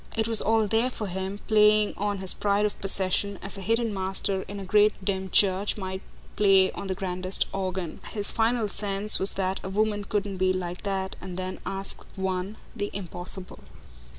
It was all there for him, playing on his pride of possession as a hidden master in a great dim church might play on the grandest organ. His final sense was that a woman couldn't be like that and then ask of one the impossible.